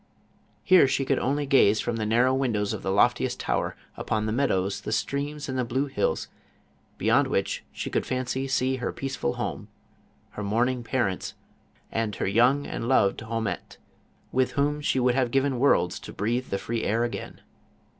Here she could only gaze from the narrow windows of the lofti est tower, upon the meadows, the streams and the blue hills, beyond which she could in fancy see her peace ful home, her mourning parent1*, and her young and loved llaumette, with whom she would have given worlds to breathe the free air again.